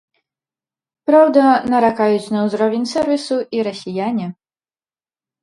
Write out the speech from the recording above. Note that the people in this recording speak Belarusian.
Праўда, наракаюць на ўзровень сэрвісу і расіяне.